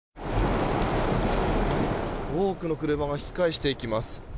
多くの車が引き返していきます。